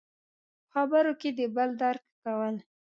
– په خبرو کې د بل درک کول.